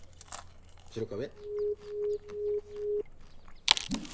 白壁？